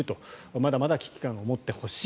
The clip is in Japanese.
まだまだ危機感を持ってほしい。